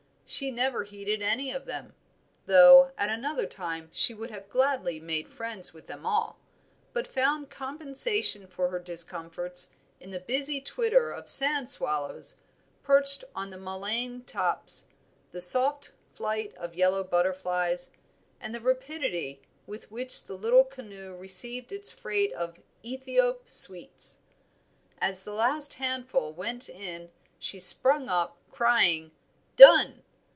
She never heeded any of them, though at another time she would gladly have made friends with all, but found compensation for her discomforts in the busy twitter of sand swallows perched on the mullein tops, the soft flight of yellow butterflies, and the rapidity with which the little canoe received its freight of "Ethiop sweets." As the last handful went in she sprung up crying "Done!"